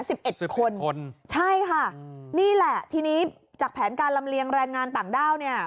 สิบเอ็ดสิบคนคนใช่ค่ะนี่แหละทีนี้จากแผนการลำเลียงแรงงานต่างด้าวเนี่ย